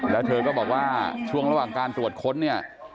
แล้วเธอก็บอกว่าช่วงระหว่างการตรวจค้นเนี่ย